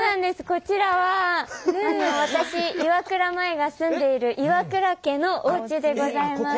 こちらは私岩倉舞が住んでいる岩倉家のおうちでございます。